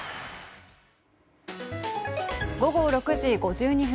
午後６時５２分。